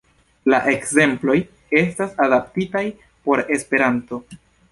La ekzemploj estas adaptitaj por Esperanto.